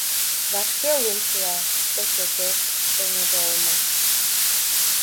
Вашке лум шула, почылтеш эҥыж олмо —